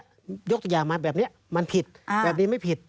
ถ้ายกอย่างมาแบบนี้มันผิดแบบนี้ไม่ผิด